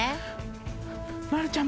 まるちゃん。